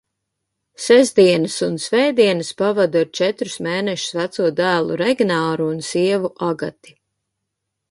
Sestdienas un svētdienas pavadu ar četrus mēnešus veco dēlu Regnāru un sievu Agati.